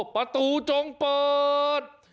ประตูจงเปิด